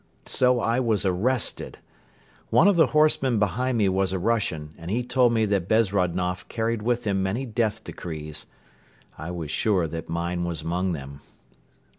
So I was arrested! One of the horsemen behind me was a Russian and he told me that Bezrodnoff carried with him many death decrees. I was sure that mine was among them.